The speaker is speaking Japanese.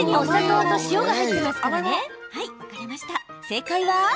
正解は。